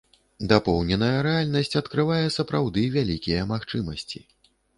Дапоўненая рэальнасць адкрывае сапраўды вялікія магчымасці.